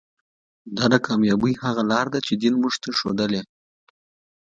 دا د کامیابۍ هغه لاره ده چې دین موږ ته ښودلې.